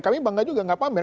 kami bangga juga gak pamer